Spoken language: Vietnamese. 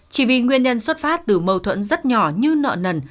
chỉ vì nguyên nhân xuất phát từ mâu thuẫn rất nhỏ như nợ nần